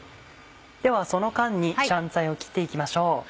ではその間に香菜を切って行きましょう。